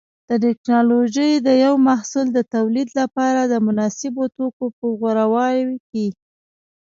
د ټېکنالوجۍ د یو محصول د تولید لپاره د مناسبو توکو په غوراوي کې.